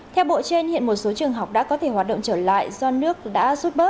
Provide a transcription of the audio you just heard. theo bộ trên hiện một số trường học đã có thể hoạt động trở lại do nước đã rút bớt